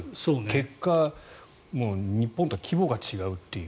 結果、日本とは規模が違うという。